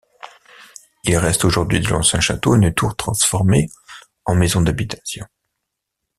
Il reste aujourd'hui de l'ancien château une tour transformée en maison d'habitation.